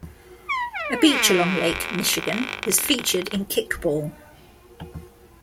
A beach along Lake Michigan is featured in "Kickball".